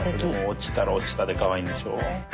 落ちたら落ちたでかわいいんでしょ？